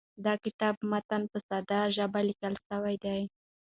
د کتاب متن په ساده ژبه لیکل سوی دی.